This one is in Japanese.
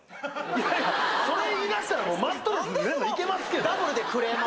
いやいやそれ言い出したらもうマットレス全部いけますけど。